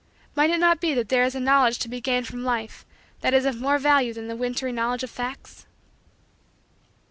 Might it not be that there is a Knowledge to be gained from Life that is of more value than the wintry Knowledge of facts?